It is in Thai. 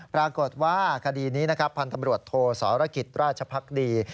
ปรากฏว่าคดีนี้นะครับพันธ์ตำรวจโทสรกิจราชพักดี